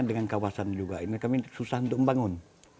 dengan kawasan juga ini kami susah untuk membangun